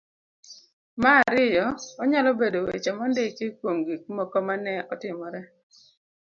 ma ariyo .Onyalo bedo weche mondiki kuom gik moko ma ne otimore..